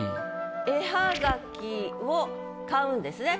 「絵はがきを」買うんですね。